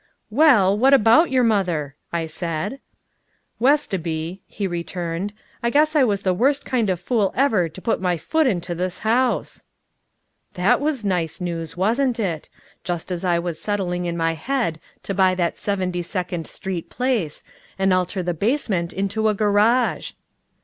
"Well, what about your mother?" I said. "Westoby," he returned, "I guess I was the worst kind of fool ever to put my foot into this house." That was nice news, wasn't it? Just as I was settling in my head to buy that Seventy second Street place, and alter the basement into a garage!